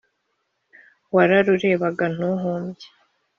Wararurebaga ntuhumbye